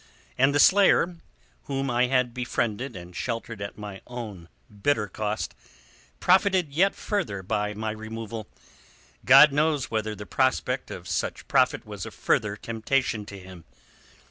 And the slayer, whom I had befriended and sheltered at my own bitter cost, profited yet further by my removal. God knows whether the prospect of such profit was a further temptation to him.